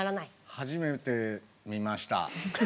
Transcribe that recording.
初めて見ました。